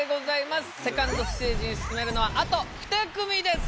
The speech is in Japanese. セカンドステージに進めるのはあと２組です。